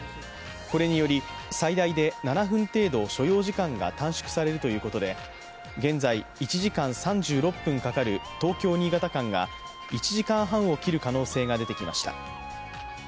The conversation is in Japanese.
これにより最大で７分程度、所要時間が短縮されるということで現在１時間３６分かかる東京−新潟間が１時間半を切る可能性が出てきました。